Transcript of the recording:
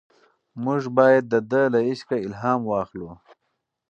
موږ باید د ده له عشقه الهام واخلو.